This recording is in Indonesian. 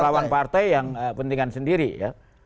melawan partai yang pentingkan sendiri ya